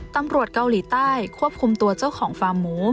ตำรวจเกาหลีใต้ควบคุมตัวเจ้าของฟาร์มหมู